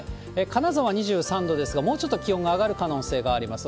金沢２３度ですが、もうちょっと気温が上がる可能性があります。